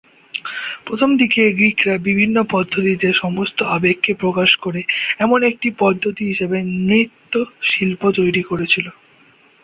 প্রথমদিকে গ্রীকরা বিভিন্ন পদ্ধতিতে সমস্ত আবেগকে প্রকাশ করে এমন একটি পদ্ধতি হিসাবে নৃত্য শিল্প তৈরি করেছিল।